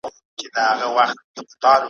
نه یې جنډۍ سته نه یې قبرونه ,